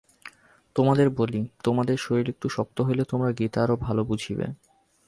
তোমাদের বলি, তোমাদের শরীর একটু শক্ত হইলে তোমরা গীতা আরও ভাল বুঝিবে।